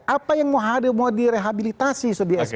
apa yang mau ada mau direhabilitasi sudah di sp tiga